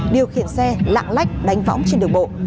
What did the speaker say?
điều khiển xe lạng lách đánh võng trên đường bộ